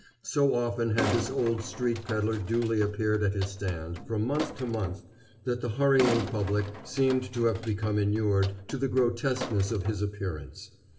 So often had this old street peddler duly appeared at his stand, from month to month, that the hurrying public seemed to have become inured to the grotesqueness of his appearance.